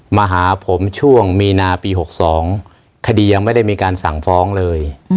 มาหาผมช่วงมีนาปี๖๒คดียังไม่ได้มีการสั่งฟ้องเลย